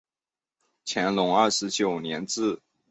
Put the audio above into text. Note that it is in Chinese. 乾隆二十九年置。